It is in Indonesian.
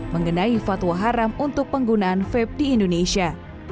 mengenai fatwa haram untuk penggunaan vape di indonesia